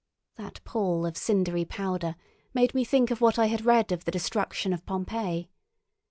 That pall of cindery powder made me think of what I had read of the destruction of Pompeii.